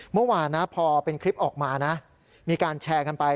เมื่อวานนะพอเป็นคลิปออกมานะมีการแชร์กันไป